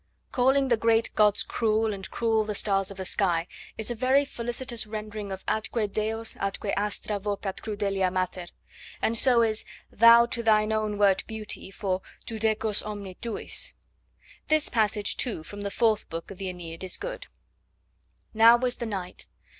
'Calling the great gods cruel, and cruel the stars of the sky' is a very felicitous rendering of 'Atque deos atque astra vocat crudelia mater,' and so is 'Thou to thine own wert beauty' for 'Tu decus omne tuis.' This passage, too, from the fourth book of the AEneid is good: Now was the night.